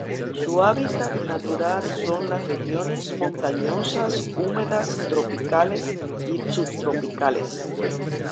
Su hábitat natural son las regiones montañosas húmedas tropicales y subtropicales.